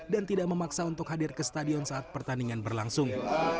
dan tidak memaksa untuk hadir ke stadion saat pertandingan berlangsung